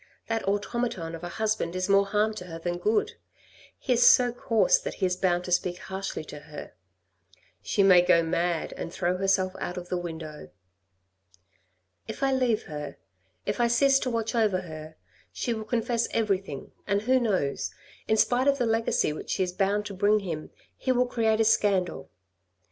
That automaton of a husband is more harm to her than good. He is so coarse that he is bound to speak harshly to her. She may go mad and throw herself out of the window." " If I leave her, if I cease to watch over her, she will confess everything, and who knows, in spite of the legacy which she is bound to bring him, he will create a scandal.